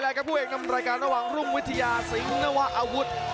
ครับผู้เอกนำรายการระหว่างรุ่งวิทยาสิงห์นวะอาวุธ